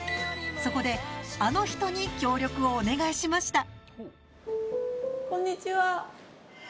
そこであの人に協力をお願いしました。